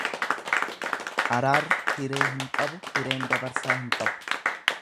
Araarri hiree hin qabu hireen dabarsaa hin qabu.